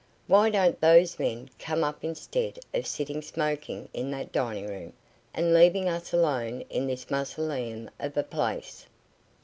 Why don't those men come up instead of sitting smoking in that dining room and leaving us alone in this mausoleum of a place?